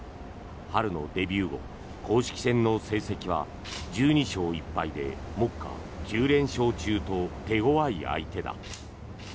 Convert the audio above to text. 春のデビュー後公式戦の成績は１２勝１敗で目下９連勝中と手ごわい相手だ。